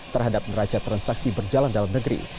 terhadap neraca transaksi berjalan dalam negeri